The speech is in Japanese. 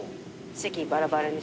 何でバラバラに？